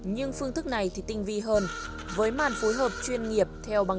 nhưng phương thức này thì tinh thần